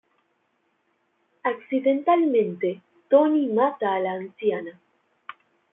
Accidentalmente, Tony mata a la anciana.